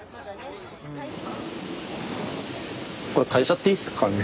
これ変えちゃっていいですかね？